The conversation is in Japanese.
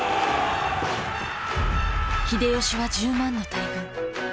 秀吉は１０万の大軍。